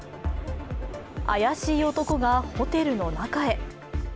怪しい男がホテルの中へ。